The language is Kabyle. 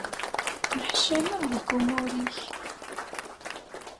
Neḥcameɣ deg umur-ik.